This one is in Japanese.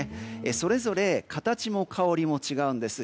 それぞれ形も香りも違うんです。